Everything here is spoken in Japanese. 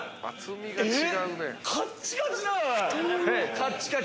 カッチカチ！